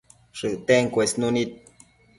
shëcten cuesnunid